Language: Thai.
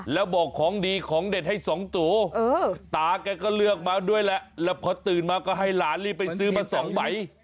แล้วบอกของดีของเด็ดให้สองตัวตาแกก็เลือกมาด้วยแหละแล้วพอตื่นมาก็ให้หลานรีบไปซื้อมาสองใบ